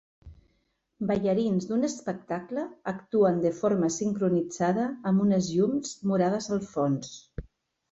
Ballarins d'un espectacle actuen de forma sincronitzada amb unes llums morades al fons.